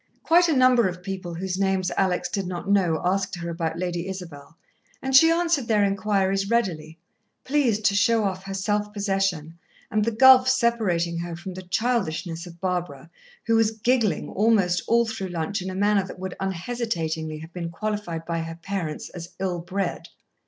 Quite a number of people whose names Alex did not know asked her about Lady Isabel, and she answered their inquiries readily, pleased to show off her self possession, and the gulf separating her from the childishness of Barbara, who was giggling almost all through lunch in a manner that would unhesitatingly have been qualified by her parents as ill bred.